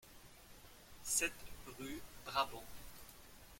sept rue Brabant